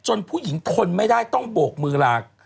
จนผู้หญิงคนไม่ได้ต้องบวกรัก